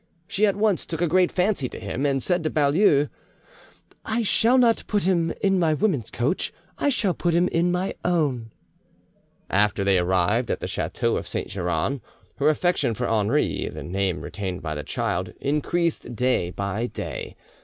She at once took a great fancy to him, and said to Baulieu, "I shall not put him in my women's coach; I shall put him in my own." After they arrived at the chateau of Saint Geran, her affection for Henri, the name retained by the child, increased day by day.